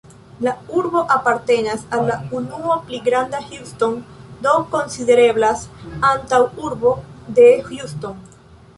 La urbo apartenas al la unuo "Pli granda Houston", do konsidereblas antaŭurbo de Houston.